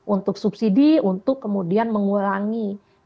untuk subsidi untuk kemudian mengurangi